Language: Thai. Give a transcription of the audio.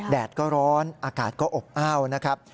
แดดก็ร้อนอากาศก็อบอ้าวนะครับ